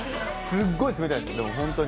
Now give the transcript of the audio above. すっごい冷たいです。